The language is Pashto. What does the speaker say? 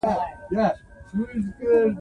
تاریخ د افغانستان د سیلګرۍ برخه ده.